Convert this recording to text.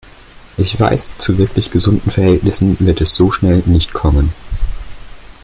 Ich weiß, zu wirklich gesunden Verhältnissen wird es so schnell nicht kommen.